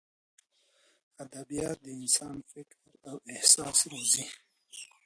ادبیات د انسان فکر او احساس روزي.